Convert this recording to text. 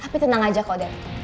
tapi tenang aja kok dari